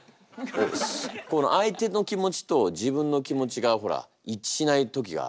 相手の気持ちと自分の気持ちがほら一致しない時が。